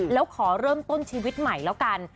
แล้วขอเริ่มต้นชีวิตใหม่แล้วกัน